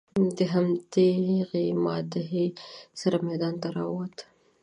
د همدغې معاهدې سره میدان ته راووت.